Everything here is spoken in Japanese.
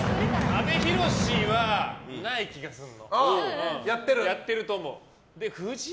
阿部寛はない気がする。